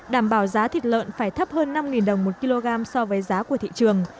đảm bảo giá thịt lợn phải thấp hơn năm đồng một kg so với giá của thị trường